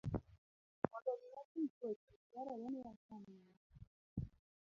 Mondo omi wageng' tuoche, dwarore ni wacham ng'injo